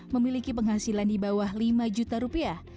memiliki penghasilan di bawah lima juta rupiah